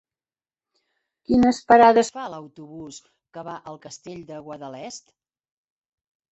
Quines parades fa l'autobús que va al Castell de Guadalest?